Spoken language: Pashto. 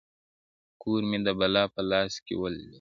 کور مي د بلا په لاس کي وليدی~